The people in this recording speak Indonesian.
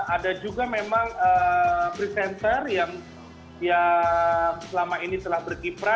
ada juga memang presenter yang selama ini telah berkiprah